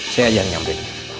saya aja yang nyampe